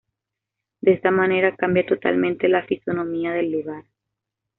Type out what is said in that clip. De esta manera cambia totalmente la fisonomía del lugar.